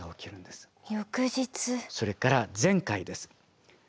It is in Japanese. それから前回です。